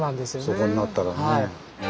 そこになったらね。